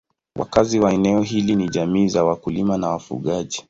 Wakazi wa eneo hili ni jamii za wakulima na wafugaji.